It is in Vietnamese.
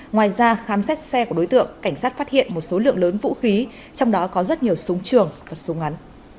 ngoài ra khám xét xe của đối tượng cảnh sát phát hiện một số lượng lớn vũ khí trong đó có rất nhiều súng trường và súng ngắn